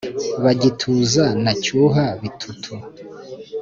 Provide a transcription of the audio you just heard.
ba gituza na cyuha-bitutu,